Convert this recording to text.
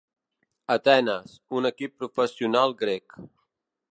Atenes, un equip professional grec.